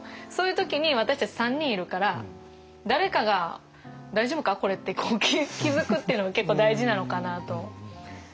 そういう時に私たち３人いるから誰かが「大丈夫かこれ」って気付くっていうのが結構大事なのかなと。